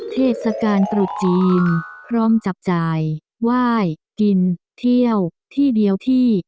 เทศกาลตรุษจีนพร้อมจับจ่ายไหว้กินเที่ยวที่เดียวที่